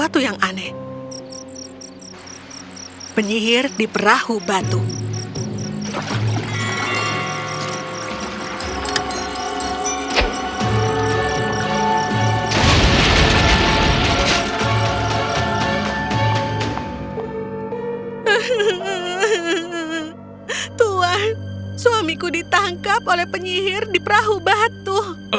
tuan suamiku ditangkap oleh penyihir di perahu batu